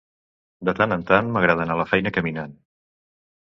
De tant en tant m'agrada anar a la feina caminant.